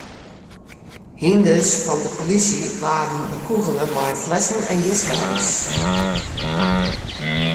Hynders fan de polysje waarden bekûgele mei flessen en jiske-amers.